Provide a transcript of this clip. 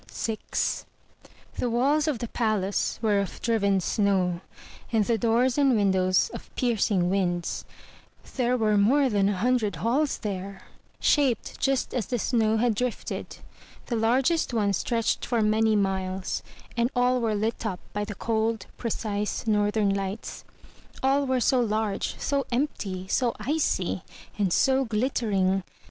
VI The walls of the palace were of driven snow; and the doors and windows of piercing winds. There were more than a hun dred halls there, shaped just as the snow had drifted. The largest one stretched for many miles; and all were Ut up by the cold, precise northern lights. All were so large, so empty, so icy, and so glittering!